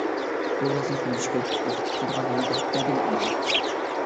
بۇ ۋەزىپە مۈشكۈل، ۋاقىت كېتىدىغان ھەمدە بەدىلى ئېغىر.